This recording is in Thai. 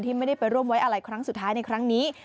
ไม่ได้ไปร่วมไว้อะไรครั้งสุดท้ายในครั้งนี้